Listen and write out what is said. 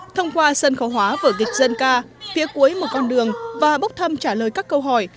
thông qua sân khấu hóa vở dịch dân ca phía cuối một con đường và bốc thăm trả lời các câu hỏi